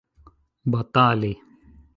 batali